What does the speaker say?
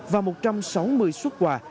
và một trăm sáu mươi suất quà